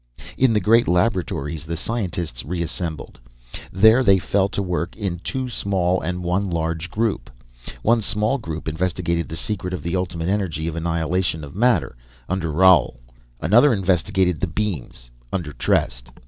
In the great Laboratories, the scientists reassembled. There, they fell to work in two small, and one large group. One small group investigated the secret of the Ultimate Energy of annihilation of matter under Roal, another investigated the beams, under Trest.